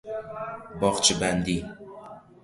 باغچه بندی